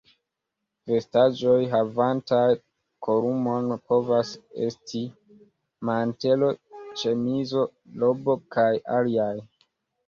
Vestaĵoj havantaj kolumon povas esti: mantelo, ĉemizo, robo kaj aliaj.